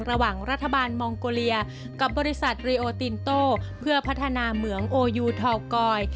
ระหว่างรัฐบาลมองโกเลียกับบริษัทรีโอตินโต้เพื่อพัฒนาเหมืองโอยูทอลกอย